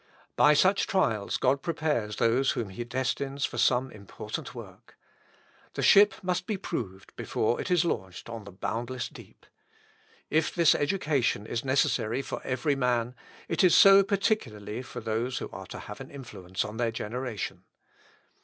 By such trials God prepares those whom he destines for some important work. The ship must be proved before it is launched on the boundless deep. If this education is necessary for every man, it is so particularly for those who are to have an influence on their generation.